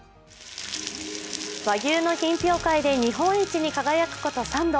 和牛の品評会で日本一に輝くこと３度。